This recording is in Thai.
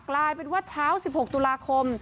กลายเป็นว่าเช้า๑๖ตุลาคม